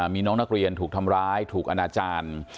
มีน้องนักเรียนถูกทำร้ายถูกอนาจารย์